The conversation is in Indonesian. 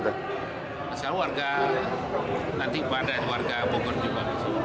nanti pada warga bogor juga